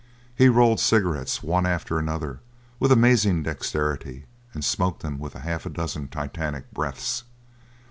He rolled cigarettes one after another with amazing dexterity and smoked them with half a dozen Titanic breaths.